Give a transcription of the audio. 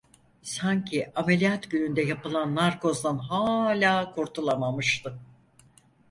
Sanki ameliyat gününde yapılan narkozdan hala kurtulamamıştı.